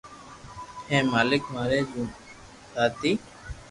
ھي مالڪ ماري جن پھاتي